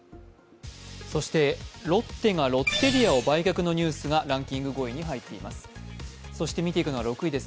ロッテがロッテリアを売却のニュースがランキングの５位に入っています。